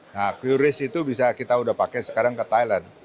nah qris itu bisa kita sudah pakai sekarang ke thailand